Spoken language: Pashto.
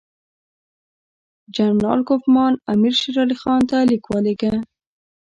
جنرال کوفمان امیر شېر علي خان ته لیک ولیکه.